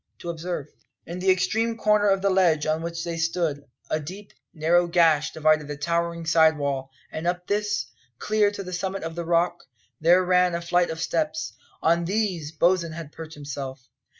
to observe. In the extreme corner of the ledge on which they stood, a deep, narrow gash divided the towering side wall, and up this, clear to the summit of the rock, there ran a flight of steps. On these Bosin had perched himself.